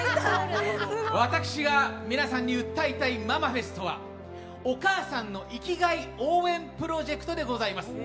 私が皆さんに訴えたいママフェストはお母さんの生きがい応援プロジェクトでございます。